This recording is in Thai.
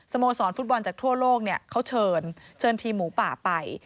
โมสรฟุตบอลจากทั่วโลกเขาเชิญเชิญทีมหมูป่าไป